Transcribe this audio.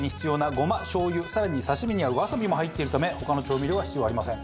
ごましょう油更に刺身に合うわさびも入っているため他の調味料は必要ありません。